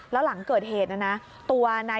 แล้วหลังเกิดเหตุนะนะ